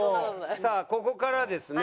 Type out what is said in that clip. さあここからですね。